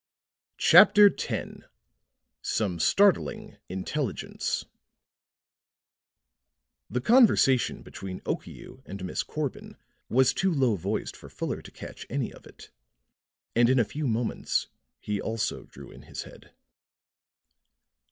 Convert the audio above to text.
CHAPTER X SOME STARTLING INTELLIGENCE The conversation between Okiu and Miss Corbin was too low voiced for Fuller to catch any of it; and in a few moments he also drew in his head.